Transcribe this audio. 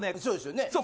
そうですよね。